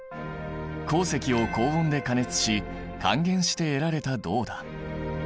鉱石を高温で加熱し還元して得られた銅だ。